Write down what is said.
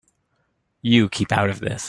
You keep out of this.